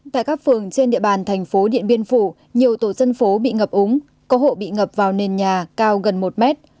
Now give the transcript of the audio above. tại các phường trên địa bàn thành phố điện biên phủ nhiều tổ dân phố bị ngập úng có hộ bị ngập vào nền nhà cao gần một mét